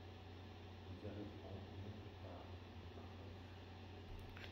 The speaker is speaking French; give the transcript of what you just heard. Nous arriverons une heure plus tard, répondit Marcof.